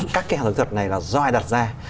các cái hạng thực tật này là do ai đặt ra